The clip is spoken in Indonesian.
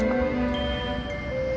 dan tempat nongkrong terbaik